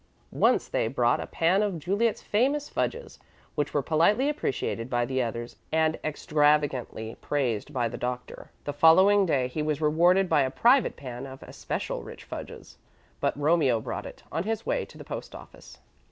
Once they brought a pan of Juliet's famous fudges, which were politely appreciated by the others and extravagantly praised by the Doctor. The following day he was rewarded by a private pan of especially rich fudges but Romeo brought it, on his way to the post office.